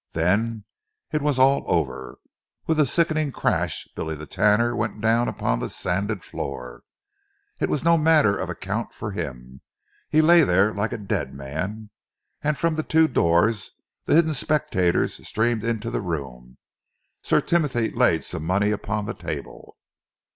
Then it was all over. With a sickening crash, Billy the Tanner went down upon the sanded floor. It was no matter of a count for him. He lay there like a dead man, and from the two doors the hidden spectators streamed into the room. Sir Timothy laid some money upon the table.